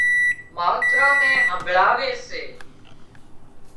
ماوتران نين همڀۯاوي سي